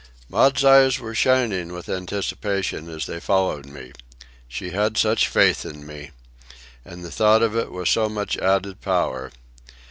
Maud's eyes were shining with anticipation as they followed me. She had such faith in me! And the thought of it was so much added power.